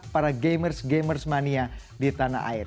para gamers gamers mania di tanah air